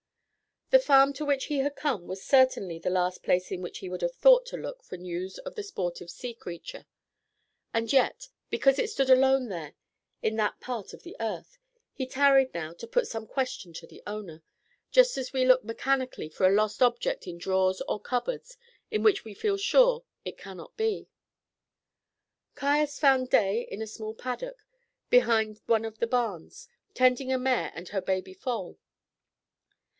The farm to which he had come was certainly the last place in which he would have thought to look for news of the sportive sea creature; and yet, because it stood alone there in that part of the earth, he tarried now to put some question to the owner, just as we look mechanically for a lost object in drawers or cupboards in which we feel sure it cannot be. Caius found Day in a small paddock behind one of the barns, tending a mare and her baby foal.